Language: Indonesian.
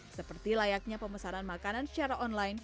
seperti layaknya pemesanan makanan secara online